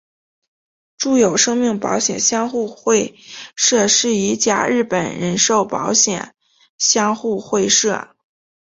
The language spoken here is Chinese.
住友生命保险相互会社是一家日本人寿保险相互会社。